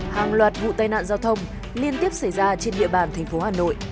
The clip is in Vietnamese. hàng loạt vụ tai nạn giao thông liên tiếp xảy ra trên địa bàn thành phố hà nội